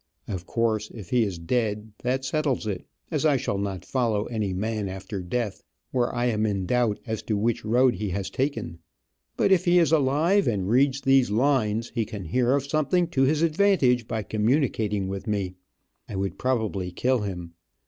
Of course, if he is dead, that settles it, as I shall not follow any man after death, where I am in doubt as to which road he has taken, but if he is alive, and reads these lines, he can hear of something to his advantage by communicating with me. I would probably kill him.